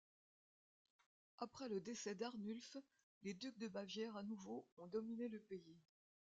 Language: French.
Après le décès d'Arnulf, les ducs de Bavière à nouveau ont dominé le pays.